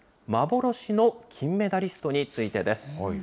幻の金メダリストについてです。